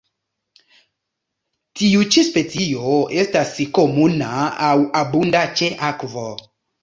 Tiu ĉi specio estas komuna aŭ abunda ĉe akvo.